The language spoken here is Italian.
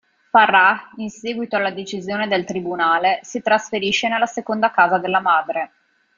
Farrah, in seguito alla decisione del tribunale, si trasferisce nella seconda casa della madre.